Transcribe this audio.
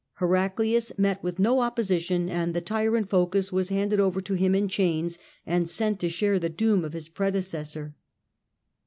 Heraclius met with no opposition, and the tyrant Phocas was handed over to him in chains and'* sent to share the doom of his predecessor.